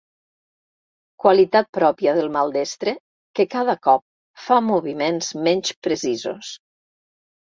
Qualitat pròpia del maldestre que cada cop fa moviments menys precisos.